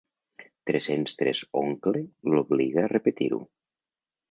Tres-cents tres oncle l'obliga a repetir-ho.